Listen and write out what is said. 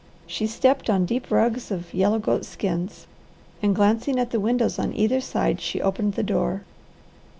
She stepped on deep rugs of yellow goat skins, and, glancing at the windows on either side, she opened the door.